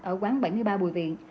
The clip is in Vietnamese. ở quán bảy mươi ba bùi viện